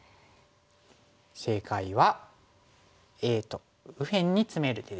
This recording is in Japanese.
正解はＡと右辺にツメる手でした。